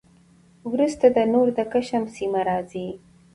وروسته نو نور د کشم سیمه راخي